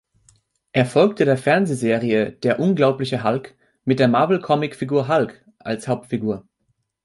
Er folgte der Fernsehserie "Der unglaubliche Hulk" mit der Marvel-Comicfigur Hulk als Hauptfigur.